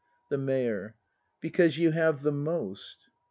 The Mayor. Because you have the most.